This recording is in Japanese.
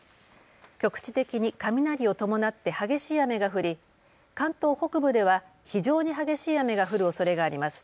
局地的に雷を伴って激しい雨が降り、関東北部では非常に激しい雨が降るおそれがあります。